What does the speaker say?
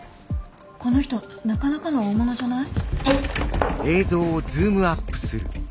この人なかなかの大物じゃない？